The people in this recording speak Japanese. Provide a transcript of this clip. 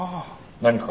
何か？